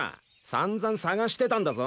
さんざん探してたんだぞ。